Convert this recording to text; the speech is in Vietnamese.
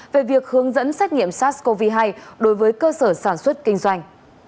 về việc hướng dẫn xét nghiệm sars cov hai đối với cơ sở sản xuất kinh doanh